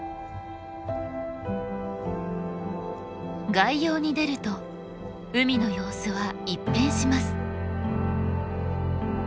外洋に出ると海の様子は一変します。